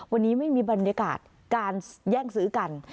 วันนี้ไม่มีบรรยากาศการแย่งซื้อกัน